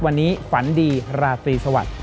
วันนี้ฝันดีราตรีสวัสดิ